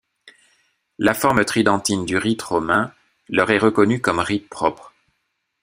La forme tridentine du rite romain leur est reconnue comme rite propre.